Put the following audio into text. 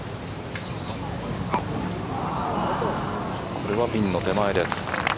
これはピンの手前です。